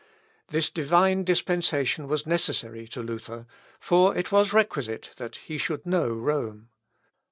This Divine dispensation was necessary to Luther, for it was requisite that he should know Rome.